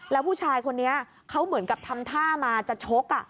แล้วผู้ชายคนนี้เขาเหมือนกับทำท่ามาจะชก